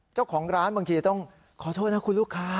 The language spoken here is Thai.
เจ้าของร้านบางทีต้องขอโทษนะคุณลูกค้า